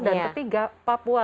dan ketiga papua